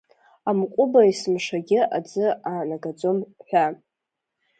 Амҟәыба есымшагьы аӡы аанагаӡом ҳәа.